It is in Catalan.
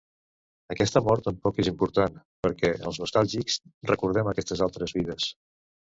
Aquesta mort tampoc és important perquè els nostàlgics recordem aquestes altres vides.